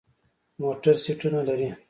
موټر سیټونه لري.